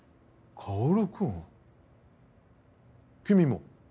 薫君君も？